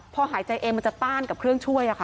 พอหายใจเองมันจะต้านกับเครื่องช่วยค่ะ